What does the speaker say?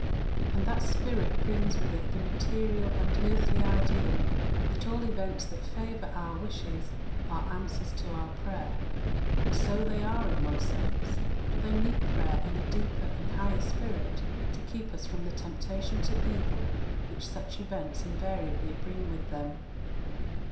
And that spirit brings with it the material and earthly idea that all events that favour our wishes are answers to our prayer; and so they are in one sense, but they need prayer in a deeper and higher spirit to keep us from the temptation to evil which such events invariably bring with them.